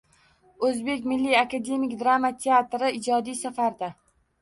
O‘zbek milliy akademik drama teatri ijodiy safarda